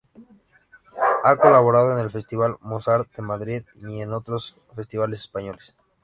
Ha colaborado en el Festival Mozart de Madrid y en otros festivales españoles.